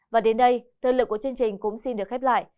và đến đây thời lượng của chương trình cũng xin được khép lại